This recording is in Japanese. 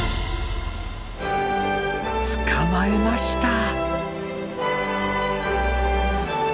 捕まえました！